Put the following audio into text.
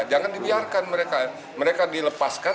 jangan dibiarkan mereka dilepaskan